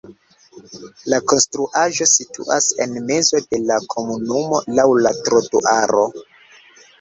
La konstruaĵo situas en mezo de la komunumo laŭ la trotuaro.